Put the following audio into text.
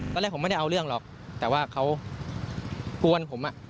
ตอนแรกผมไม่ได้เอาเรื่องหรอกแต่ว่าเขากวนผมอ่ะ